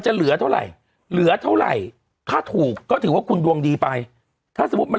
จะต้องสั่งจะพวดเถอะเอ้ยคุณคุณคุณคุณคุณ